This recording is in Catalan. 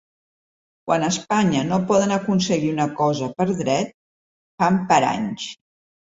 Quan a Espanya no poden aconseguir una cosa per dret, fan paranys.